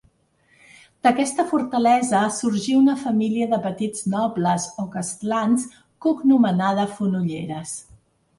D'aquesta fortalesa sorgí una família de petits nobles o castlans cognomenada Fonolleres.